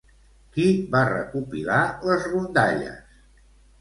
Qui va recopilar les rondalles?